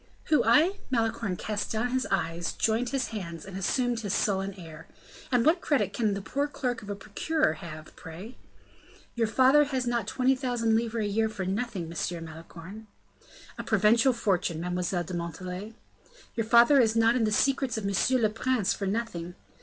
"Who, I?" Malicorne cast down his eyes, joined his hands, and assumed his sullen air. "And what credit can the poor clerk of a procurer have, pray?" "Your father has not twenty thousand livres a year for nothing, M. Malicorne." "A provincial fortune, Mademoiselle de Montalais." "Your father is not in the secrets of monsieur le prince for nothing."